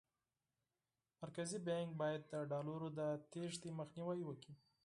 مرکزي بانک باید د ډالرو د تېښتې مخنیوی وکړي.